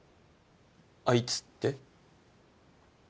あいつって？